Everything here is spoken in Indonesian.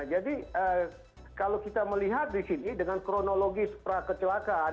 jadi kalau kita melihat di sini dengan kronologi supra kecelakaan